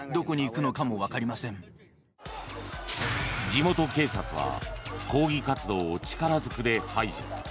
地元警察は抗議活動を力ずくで排除。